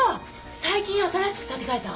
最近新しく建て替えたあの！